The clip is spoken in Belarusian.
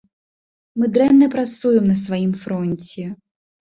Мы дрэнна працуем на сваім фронце.